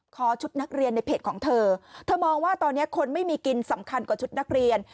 ชุดนักเรียนในเพจของเธอเธอมองว่าตอนนี้คนไม่มีกินสำคัญกว่าชุดนักเรียน